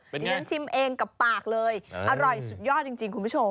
ดิฉันชิมเองกับปากเลยอร่อยสุดยอดจริงคุณผู้ชม